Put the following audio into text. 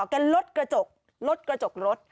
แกลดกระจกลดกระจกรถ